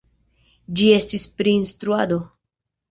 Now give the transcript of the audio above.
Ĝi estas pri instruado.